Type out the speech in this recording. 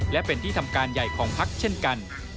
และเป็นที่ทำการใหญ่ของพักเช่นกัน